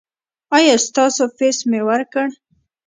ایا ستاسو فیس مې ورکړ؟